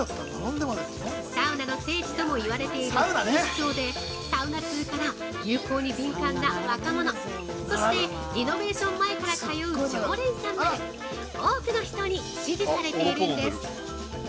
サウナの聖地とも言われている錦糸町でサウナ通から流行に敏感な若者、そしてリノベーション前から通う常連さんまで多くの人に支持されているんです！